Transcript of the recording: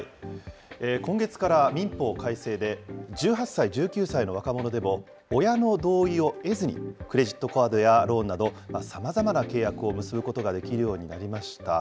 今月から民法改正で、１８歳、１９歳の若者でも、親の同意を得ずに、クレジットカードやローンなど、さまざまな契約を結ぶことができるようになりました。